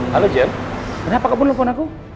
halo jen kenapa kau belum telepon aku